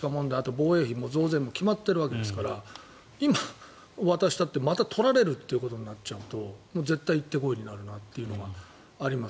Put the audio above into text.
防衛費増税も決まってるわけですから今、渡したってまた取られるということになっちゃうと絶対行って来いになるなというのがあります。